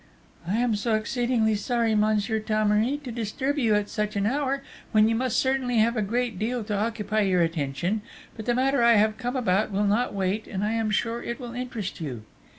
"I am so exceedingly sorry, Monsieur Thomery, to disturb you at such an hour, when you must certainly have a great deal to occupy your attention; but the matter I have come about will not wait, and I am sure it will interest you...."